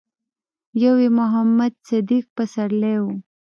يو يې محمد صديق پسرلی و.